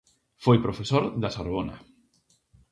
Foi profesor da Sorbona.